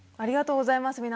ありがとうございます。